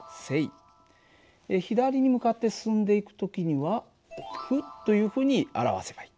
左に向かって進んでいく時には負というふうに表せばいい。